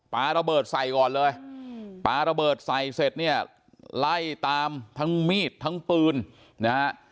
ปลาระเบิดใส่ก่อนเลยปลาระเบิดใส่เสร็จเนี่ยไล่ตามทั้งมีดทั้งปืนนะฮะ